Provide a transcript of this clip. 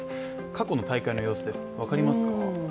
過去の大会の様子です、分かりますか。